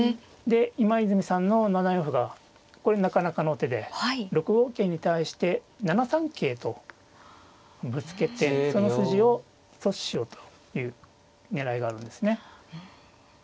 で今泉さんの７四歩がこれなかなかの手で６五桂に対して７三桂とぶつけてその筋を阻止しようという狙いがあるんですね。